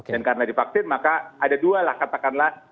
dan karena divaksin maka ada dua lah katakanlah